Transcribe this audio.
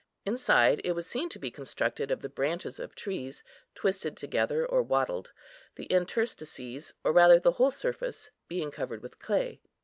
Inside it was seen to be constructed of the branches of trees, twisted together or wattled, the interstices, or rather the whole surface, being covered with clay.